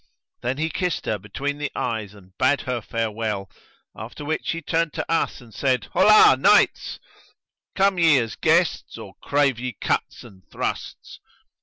Then he kissed her between the eyes and bade her farewell; after which he turned to us and said, "Holla, Knights! Come ye as guests or crave ye cuts and thrusts?